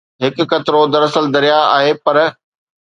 هڪ قطرو دراصل درياهه آهي پر